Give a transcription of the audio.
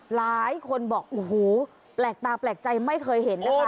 หลายคนบอกโอ้โหแปลกตาแปลกใจไม่เคยเห็นนะคะ